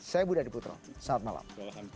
saya budha diputra selamat malam